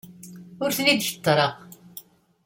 Ur ten-id-kettreɣ.